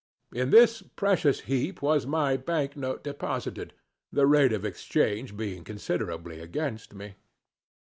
In this precious heap was my bank note deposited, the rate of exchange being considerably against me.